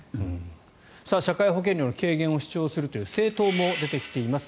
社会保険料の軽減を主張するという政党も出てきています。